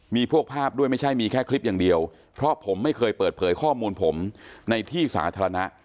มีพวกภาพด้วยไม่ใช่มีแค่คลิปอย่างเดียวเพราะผมไม่เคยเปิดเผยข้อมูลผมในที่สาธารณะ